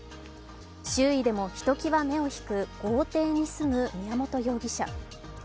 周囲でもひときわ目を引く豪邸に住む宮本容疑者。